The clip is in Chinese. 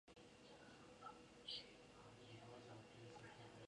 袁世凯指定端康太妃主持宫中事务。